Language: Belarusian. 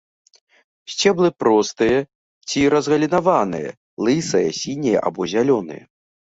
Сцеблы простыя ці разгалінаваныя, лысыя, сінія або зялёныя.